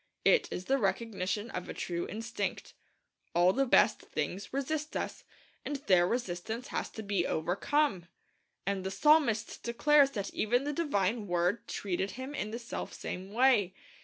It is the recognition of a true instinct. All the best things resist us, and their resistance has to be overcome. And the psalmist declares that even the divine Word treated him in the selfsame way.